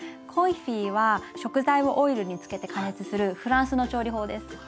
コンフィは食材をオイルに漬けて加熱するフランスの調理法です。